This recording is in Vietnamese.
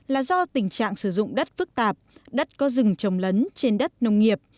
là do tình trạng sử dụng đất phức tạp đất có rừng trồng lấn trên đất nông nghiệp